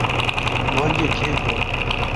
غوږ يې کېښود.